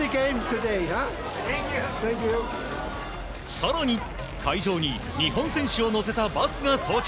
さらに、会場に日本選手を乗せたバスが到着。